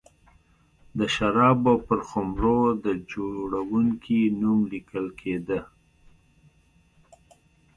د شرابو پر خُمرو د جوړوونکي نوم لیکل کېده.